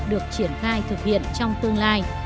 được triển khai thực hiện trong tương lai